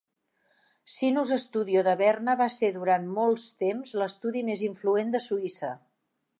Sinus Studio de Berna va ser durant molts temps l'estudi més influent de Suïssa.